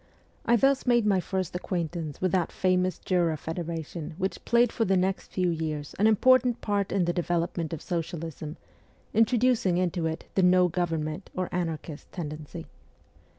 I thus made my first acquaintance with that famous Jura Federation which played for the next few years an important part in the development of socialism, introducing into it the no government, or anarchist, tendency.